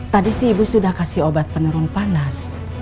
tadi sih ibu sudah kasih obat penurun panas